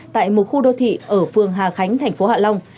tại một khu đô thị ở phường hà khánh thành phố hạ long